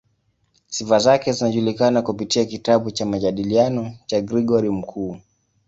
Sifa zake zinajulikana kupitia kitabu cha "Majadiliano" cha Gregori Mkuu.